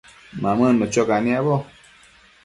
Mamënnu cho caniabo